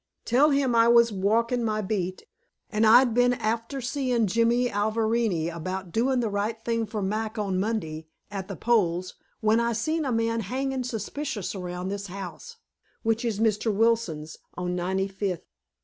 Tell him I was walkin my beat, and I'd been afther seein Jimmy Alverini about doin the right thing for Mac on Monday, at the poles, when I seen a man hangin suspicious around this house, which is Mr. Wilson's, on Ninety fifth.